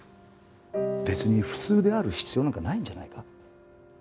別に普通である必要なんかないんじゃないか？